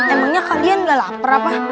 emangnya kalian gak lapar apa